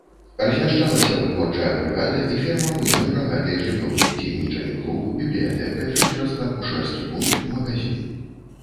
Размяшчаліся вытворчая брыгада і ферма буйной рагатай жывёлы, дзейнічалі клуб, бібліятэка, фельчарска-акушэрскі пункт, магазін.